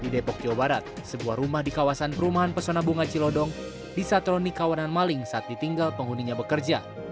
di depok jawa barat sebuah rumah di kawasan perumahan pesona bunga cilodong disatroni kawanan maling saat ditinggal penghuninya bekerja